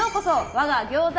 我が餃子